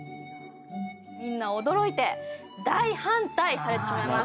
みんな驚いて大反対されてしまいます。